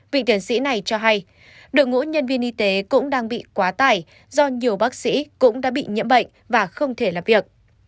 vị tiến sĩ này cho hay đội ngũ nhân viên y tế cũng đang bị quá tải do nhiều bác sĩ cũng đã bị nhiễm bệnh và không thể làm việc